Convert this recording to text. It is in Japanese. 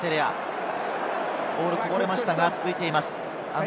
ボールがこぼれましたが続いています。